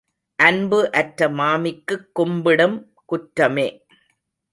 அன்பு அற்ற மாமிக்குக் கும்பிடும் குற்றமே.